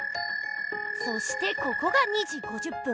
そしてここが２じ５０ぷん。